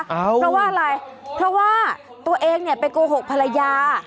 เพราะว่าอะไรเพราะว่าตัวเองเนี่ยไปโกหกภรรยา